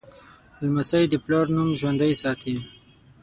لمسی د پلار نوم ژوندی ساتي.